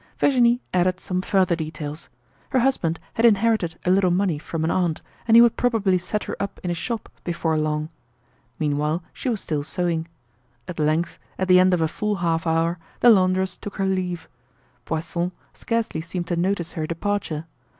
Virginie added some further details. Her husband had inherited a little money from an aunt and he would probably set her up in a shop before long. Meanwhile she was still sewing. At length, at the end of a full half hour, the laundress took her leave. Poisson scarcely seemed to notice her departure.